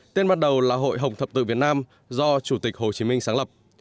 tên bắt đầu là hội hồng thập tự việt nam do chủ tịch hồ chí minh sáng lập